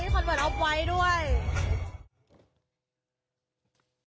คอนเบิร์ตออฟไว้ด้วย